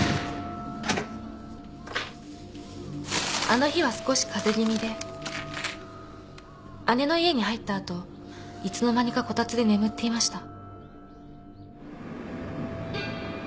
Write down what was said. あの日は少し風邪気味で姉の家に入った後いつの間にかこたつで眠っていました。